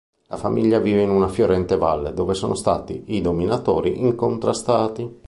La famiglia vive in una fiorente valle, dove sono i dominatori incontrastati.